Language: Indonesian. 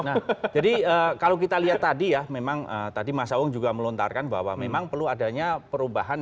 nah jadi kalau kita lihat tadi ya memang tadi mas sawung juga melontarkan bahwa memang perlu adanya perubahan